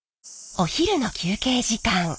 お昼の休憩時間。